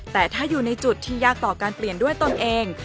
แต่ถ้าอยู่ในจุดที่ยากต่อการเปลี่ยนด้วยตนเอง